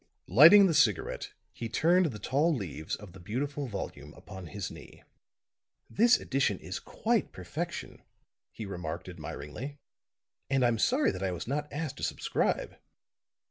Lighting the cigarette, he turned the tall leaves of the beautiful volume upon his knee. "This edition is quite perfection," he remarked admiringly. "And I'm sorry that I was not asked to subscribe.